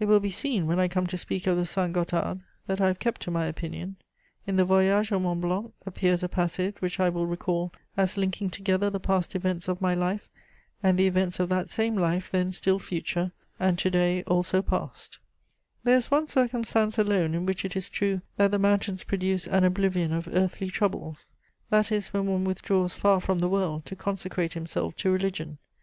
It will be seen, when I come to speak of the Saint Gothard, that I have kept to my opinion. In the Voyage au Mont Blanc appears a passage which I will recall as linking together the past events of my life and the events of that same life then still future, and to day also past: "There is one circumstance alone in which it is true that the mountains produce an oblivion of earthly troubles: that is when one withdraws far from the world to consecrate himself to religion.